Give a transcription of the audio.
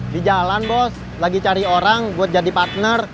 di jalan bos lagi cari orang buat jadi partner